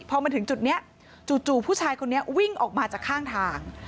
พอมาถึงจุดนี้จู่ผู้ชายคนนี้วิ่งออกมาจากข้างทาง